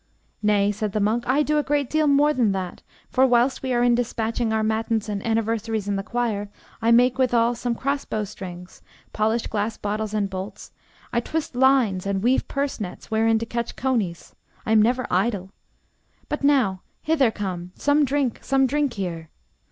Nay, said the monk, I do a great deal more than that; for whilst we are in despatching our matins and anniversaries in the choir, I make withal some crossbow strings, polish glass bottles and bolts, I twist lines and weave purse nets wherein to catch coneys. I am never idle. But now, hither come, some drink, some drink here!